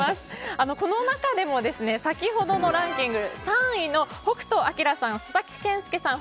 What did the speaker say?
この中でも先ほどのランキング３位の北斗晶さん佐々木健介さん